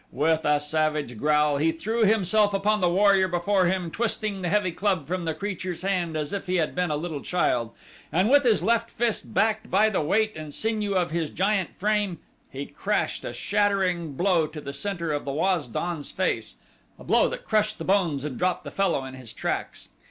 With a savage growl he threw himself upon the warrior before him twisting the heavy club from the creature's hand as if he had been a little child, and with his left fist backed by the weight and sinew of his giant frame, he crashed a shattering blow to the center of the Waz don's face a blow that crushed the bones and dropped the fellow in his tracks.